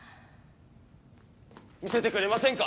見せてくれませんか？